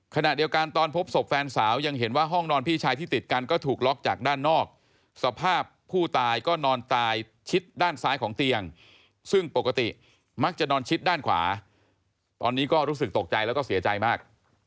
ขณะเดียวกันตอนพบศพแฟนสาวยังเห็นว่าห้องนอนพี่ชายที่ติดกันก็ถูกล็อกจากด้านนอกสภาพผู้ตายก็นอนตายชิดด้านซ้ายของเตียงซึ่งปกติมักจะนอนชิดด้านขวาตอนนี้ก็รู้สึกตกใจแล้วก็เสียใจมาก